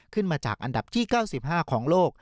ขึ้นมาจากอันดับที่๙๕ของโลก